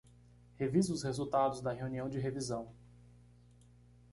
Revise os resultados da reunião de revisão